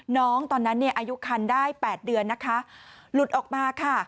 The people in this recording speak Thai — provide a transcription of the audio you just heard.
น้องตอนนั้นอายุครรภ์ได้๘เดือนลุดออกมาค่ะ